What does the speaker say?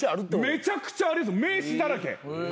めちゃくちゃ名刺だらけ。